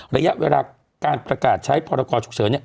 ระยะเวลาการประกาศใช้พรกรฉุกเฉิน